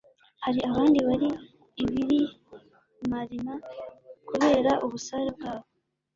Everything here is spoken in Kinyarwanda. hari abandi bari ibirimarima kubera ubusare bwabo